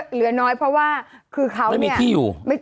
เหลือน้อยเพราะว่าคือเขาไม่มีที่อยู่